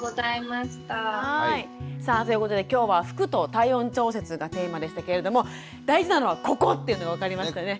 さあということで今日は「服と体温調節」がテーマでしたけれども大事なのはここっていうのが分かりましたね。